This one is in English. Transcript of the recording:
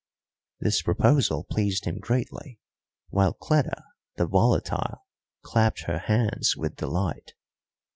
This proposal pleased him greatly, while Cleta, the volatile, clapped her hands with delight.